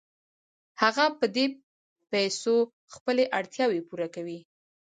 هغه په دې پیسو خپلې اړتیاوې پوره کوي